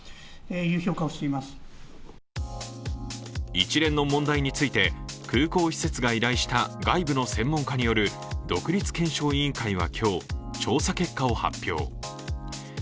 一連の問題について空港施設が依頼した外部の専門家による独立検証委員会は今日、調査結果を発表。